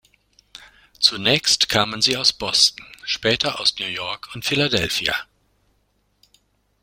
Zunächst kamen sie aus Boston, später aus New York und Philadelphia.